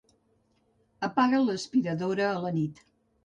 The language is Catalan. Apaga l'aspiradora a la nit.